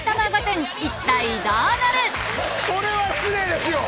それは失礼ですよ。